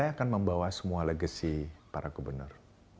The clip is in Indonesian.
saya akan membawa semua legacy para gubernur